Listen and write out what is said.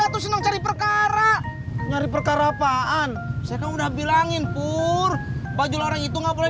atau senang cari perkara nyari perkara apaan saya udah bilangin pur baju orang itu nggak boleh